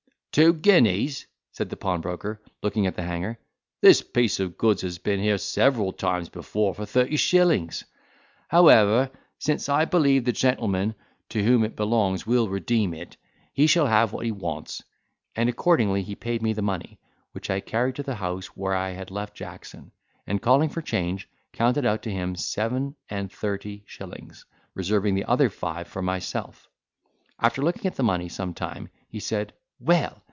"Two guineas!" said the pawnbroker, looking at the hanger; "this piece of goods has been here several times before for thirty shillings: however, since I believe the gentleman to whom it belongs will redeem it, he shall have what he wants; and accordingly he paid me the money, which I carried to the house where I had left Jackson; and, calling for change, counted out to him seven and thirty shillings, reserving the other five for myself." After looking at the money some time, he said, "Well!